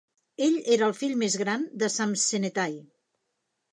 Ell era el fill més gran de Samsenethai.